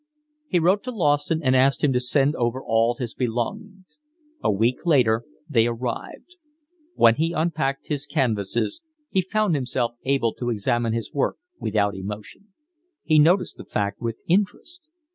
He wrote to Lawson and asked him to send over all his belongings. A week later they arrived. When he unpacked his canvases he found himself able to examine his work without emotion. He noticed the fact with interest.